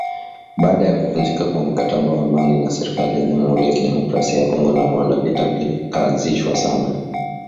Baada ya kuvunjika kwa mkataba wa amani na serikali ya jamuhuri ya kidemokrasia ya Kongo na Rwanda, vita vilikazishwa sana